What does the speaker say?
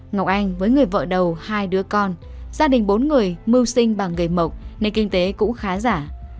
ngọc anh với người vợ đầu hai đứa con gia đình bốn người mưu sinh bằng nghề mộc nên kinh tế cũng khá giả